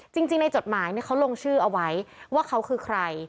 จริงในจดหมายเขาลงชื่อเอาไว้ว่าเขาคือใคร